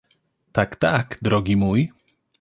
— Tak, tak, drogi mój!